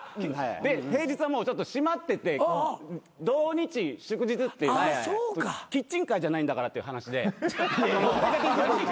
で平日はもう閉まってて土日祝日ってキッチンカーじゃないんだからっていう話で。